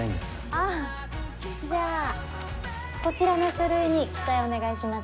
あぁじゃあこちらの書類に記載お願いします。